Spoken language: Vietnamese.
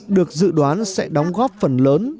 được dự đoán sẽ đóng góp phần lớn